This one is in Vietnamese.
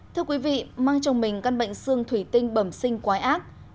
thưa quý vị mang trong mình căn bệnh xương thủy tinh bẩm sinh quái ác